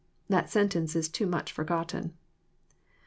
That sentence is too much forgotten.